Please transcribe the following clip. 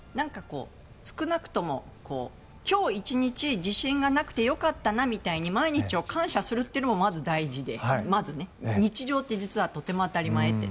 少なくとも今日１日地震がなくてよかったなみたいに毎日を感謝するというのもまず大事で日常って実はとても当たり前って。